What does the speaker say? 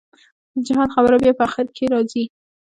د جهاد خبره بيا په اخر کښې رځي.